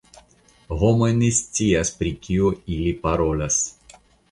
Homoj ne scias pri kio ili parolas.